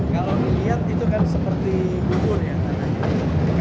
kalau dilihat itu kan seperti bubur ya tanahnya